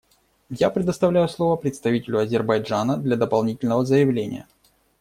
Я предоставляю слово представителю Азербайджана для дополнительного заявления.